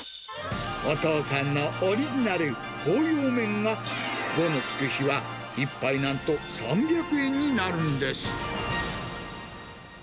お父さんのオリジナル、芳葉めんが５のつく日は、１杯なんと３００円になるんです。